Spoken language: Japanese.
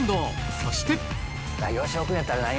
そして！